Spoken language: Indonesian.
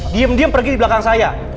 diem diem pergi di belakang saya